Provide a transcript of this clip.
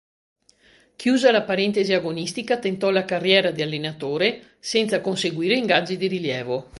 Chiusa la parentesi agonistica tentò la carriera di allenatore, senza conseguire ingaggi di rilievo.